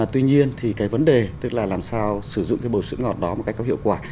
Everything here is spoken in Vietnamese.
tuy nhiên thì cái vấn đề tức là làm sao sử dụng cái bầu sữa ngọt đó một cách có hiệu quả